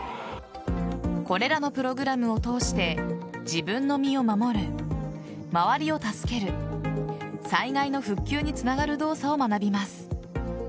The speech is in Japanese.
これらのプログラムを通して自分の身を守る周りを助ける災害の復旧につながる動作を学びます。